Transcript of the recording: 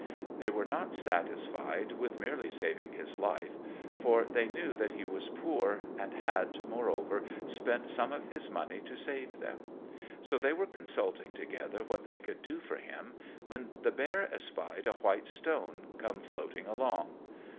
_] They were not satisfied with merely saving his life, for they knew that he was poor, and had, moreover, spent some of his money to save them; so they were consulting together what they could do for him, when the bear espied a white stone come floating along.